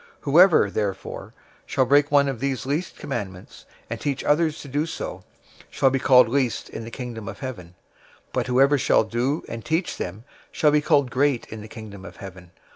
005:019 Whoever, therefore, shall break one of these least commandments, and teach others to do so, shall be called least in the Kingdom of Heaven; but whoever shall do and teach them shall be called great in the Kingdom of Heaven.